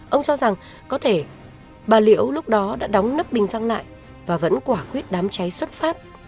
ông cho rằng có thể bà liễu lúc đó đã đóng nấp bình răng lại và vẫn quả quyết đám cháy xuất phát